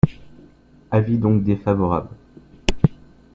Avis donc défavorable.